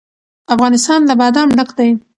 افغانستان له بادام ډک دی.